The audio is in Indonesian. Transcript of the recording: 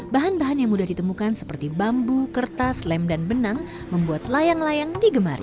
bahan bahan yang mudah ditemukan seperti bambu kertas lem dan benang membuat layang layang digemari